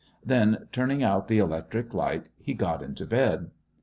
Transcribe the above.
Then, turning out the electric light, he got into bed.